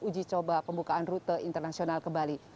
uji coba pembukaan rute internasional ke bali